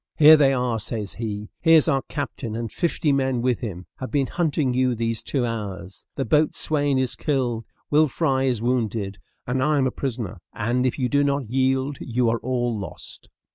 "Here they are," says he, "here's our captain and fifty men with him, have been hunting you these two hours; the boatswain is killed; Will Fry is wounded, and I am a prisoner; and if you do not yield you are all lost."